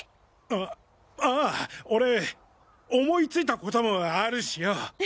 あああ俺思いついた事もあるしよ。